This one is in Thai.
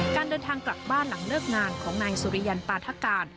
การเดินทางกลับบ้านหลังเลิกงานของนายสุริยันปาทการ